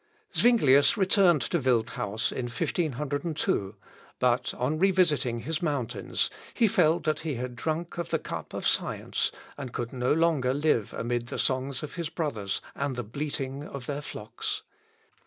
Zuinglius returned to Wildhaus in 1502; but on revisiting his mountains he felt that he had drunk of the cup of science, and could no longer live amid the songs of his brothers and the bleating of their flocks.